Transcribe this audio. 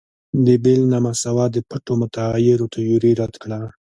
د بیل نا مساوات د پټو متغیرو تیوري رد کړه.